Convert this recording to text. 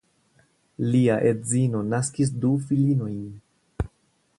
Lia edzino naskis du filinojn.